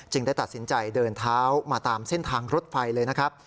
ได้ตัดสินใจเดินเท้ามาตามเส้นทางรถไฟเลยนะครับ